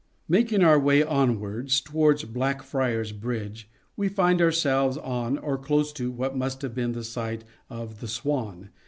Making our way onwards towards Black friars Bridge, we find ourselves on or close to what must have been the site of " The Swan."